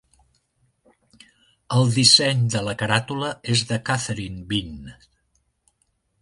El disseny de la caràtula és de Kathryn Bint.